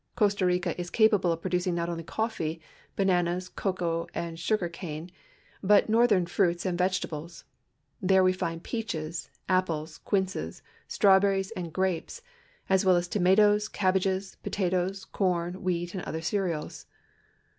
Costa Rica is capable of producing not only coffee^ bananas, cocoa, and sugar cane, but northern fruits and vegeta bles. There we find peaches, apples, quinces, strawberries, and COSTA RICA 149 grapes, as well as tomatoes, cabbages, potatoes, corn, wheat, and other cereals.